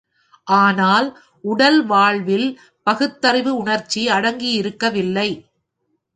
ஆனால், உடல் வாழ்வில் பகுத்தறிவு உணர்ச்சி அடங்கியிருக்கவில்லை.